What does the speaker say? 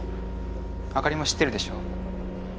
朱莉も知ってるでしょ？